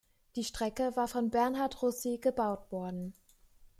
Die Strecke war von Bernhard Russi gebaut worden.